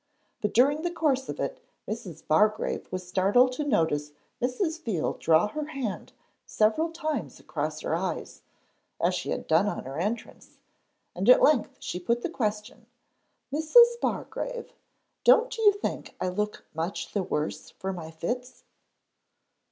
But during the course of it Mrs. Bargrave was startled to notice Mrs. Veal draw her hand several times across her eyes (as she had done on her entrance), and at length she put the question, 'Mrs. Bargrave, don't you think I look much the worse for my fits?'